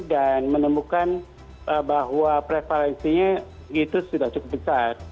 dan menemukan bahwa prevalensinya itu sudah cukup besar